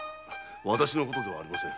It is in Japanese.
私のことではありませんが。